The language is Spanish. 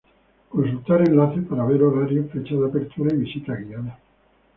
Consultar enlace para ver horarios, fechas de apertura y visitas guiadas.